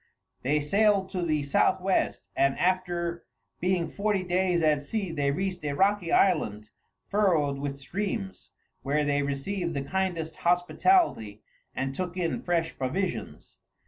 They sailed to the southwest, and after being forty days at sea they reached a rocky island furrowed with streams, where they received the kindest hospitality, and took in fresh provisions.